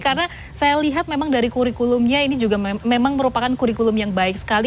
karena saya lihat memang dari kurikulumnya ini juga memang merupakan kurikulum yang baik sekali